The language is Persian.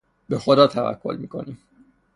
به خدا توکل میکنیم.